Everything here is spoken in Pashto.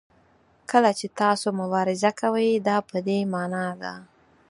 کله چې تاسو مبارزه کوئ دا په دې معنا ده.